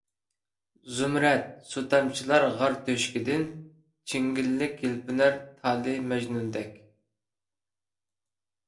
زۇمرەت سۇ تامچىلار غار تۆشۈكىدىن، چىڭگىلىك يەلپۈنەر تالى مەجنۇندەك،